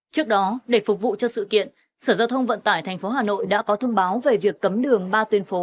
trước đó để phục vụ cho sự kiện sở giao thông vận tải tp hà nội đã có thông báo về việc cấm đường ba tuyến phố